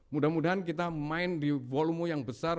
mudah mudahan kita main di volume yang besar